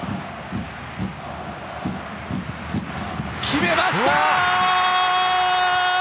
決めました！